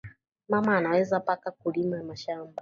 Mama anawezi paka ku lima mashamba